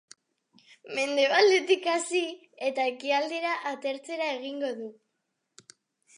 Mendebaldetik hasi eta ekialdera, atertzera egingo du.